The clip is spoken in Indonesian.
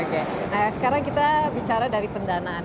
nah sekarang kita bicara dari pendanaan